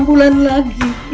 ibu suruh tinggal di sini